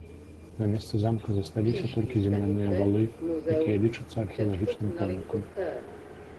На месцы замка засталіся толькі земляныя валы, якія лічацца археалагічным помнікам.